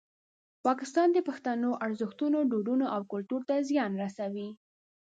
پاکستان د پښتنو ارزښتونه، دودونه او کلتور ته زیان رسوي.